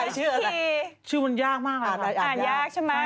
ชื่ออะไรชื่อมันยากมากอะครับอ่ายากใช่มั้ย